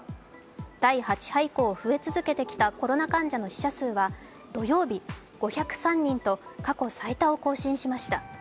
第８波以降増え続けてきたコロナ患者の死者数は土曜日、５０３人と過去最多を更新しました。